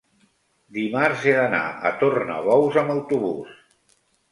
dimarts he d'anar a Tornabous amb autobús.